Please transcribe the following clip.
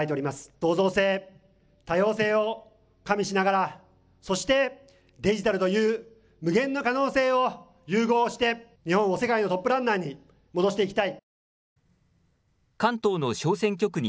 創造性、多様性を加味しながら、そしてデジタルという無限の可能性を融合して、日本を世界のトップランナーに戻していきたい。